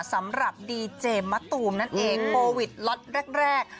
สำหรับดีเจมะตูมนั่นเองโปวิดเล็ก